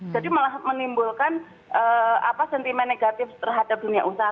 jadi menimbulkan sentimen negatif terhadap dunia usaha